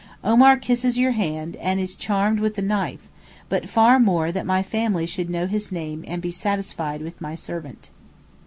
Omar kisses your hand and is charmed with the knife, but far more that my family should know his name and be satisfied with my servant.